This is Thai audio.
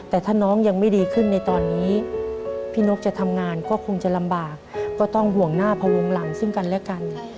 แต่ถ้าน้องยังไม่ดีขึ้นในตอนนี้พี่นกจะทำงานก็คงจะลำบากก็ต้องห่วงหน้าพวงหลังซึ่งกันและกัน